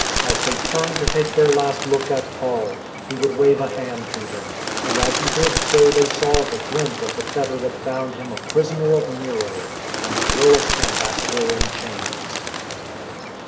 As they turned to take their last look at Paul, he would wave a hand to them, and as he did so they saw the glint of the fetter that bound him a prisoner of Nero, an heroic " ambassador in chains."